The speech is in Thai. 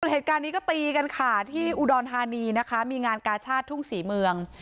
เหตุการณ์นี้ก็ตีกันค่ะที่อุดรธานีนะคะมีงานกาชาติทุ่งศรีเมือง